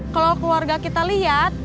kalau keluarga kita lihat